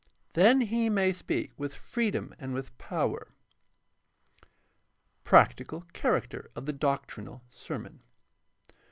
Then he may speak with freedom and with power. Practical character of the doctrinal sermon.